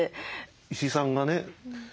石井さんがね